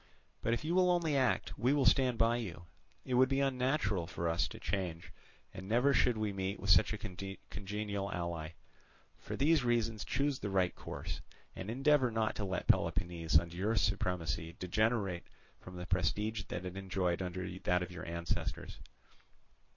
But if you will only act, we will stand by you; it would be unnatural for us to change, and never should we meet with such a congenial ally. For these reasons choose the right course, and endeavour not to let Peloponnese under your supremacy degenerate from the prestige that it enjoyed under that of your ancestors."